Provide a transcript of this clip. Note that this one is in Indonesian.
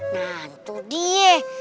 nah itu dia